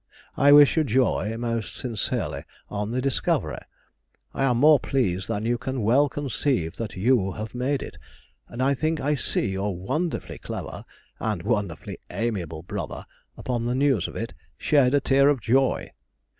I wish you joy, most sincerely, on the discovery. I am more pleased than you can well conceive that you have made it, and I think I see your wonderfully clever and wonderfully amiable brother, upon the news of it, shed a tear of joy.